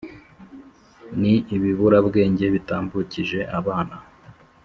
ni ibiburabwenge bitambukije abana.